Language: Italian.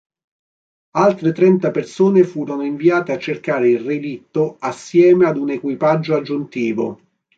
Altre trenta persone furono inviate a cercare il relitto assieme ad un equipaggio aggiuntivo.